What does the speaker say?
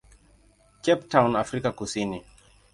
Cape Town, Afrika Kusini.